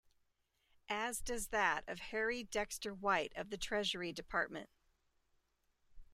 As does that of Harry Dexter White of the Treasury Department.